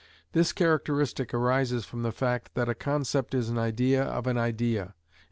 This characteristic arises from the fact that a concept is an idea of an idea, _i.e.